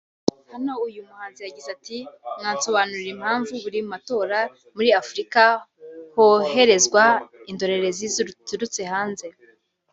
hano uyu muhanzi yagize ati “Mwansobanurira impamvu buri matora muri Afurika hoherezwa indorerezi ziturutse hanze